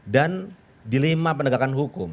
dan dilema pendegakan hukum